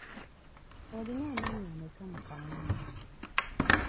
Olina amannyo ameka mu kwamwa?